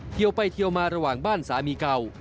ไปเทียวมาระหว่างบ้านสามีเก่า